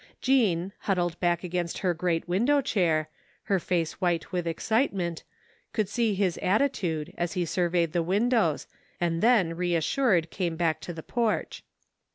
Jean, huddled back against her great window chair, her face white with excitement, could see his attitude as he surveyed the windows and then reassured came back to the porch.